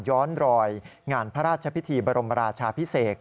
ย้อนรอยงานพระราชพิธีบรมราชาพิเศษ